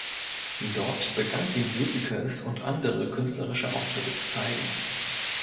Dort begann sie Musicals und andere künstlerische Auftritte zu zeigen.